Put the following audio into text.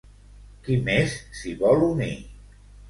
Qui més s'hi vol unir?